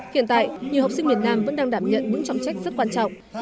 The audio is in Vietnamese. hiện tại nhiều học sinh miền nam vẫn đang đảm nhận những trọng trách rất quan trọng